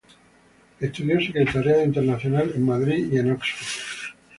Estudió Secretariado Internacional en Madrid, y en Oxford.